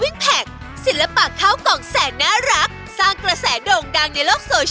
แม่ป้านพารวย